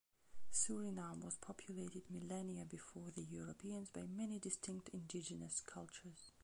Suriname was populated millennia before the Europeans by many distinct indigenous cultures.